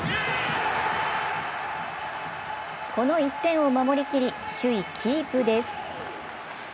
この１点を守りきり、首位キープです。